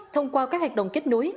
thông qua các hoạt động kết nối